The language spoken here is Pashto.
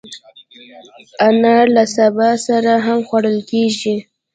انار له سابه سره هم خوړل کېږي.